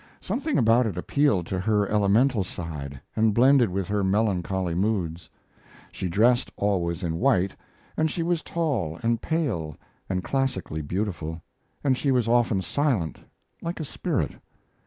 Something about it appealed to her elemental side and blended with her melancholy moods. She dressed always in white, and she was tall and pale and classically beautiful, and she was often silent, like a spirit.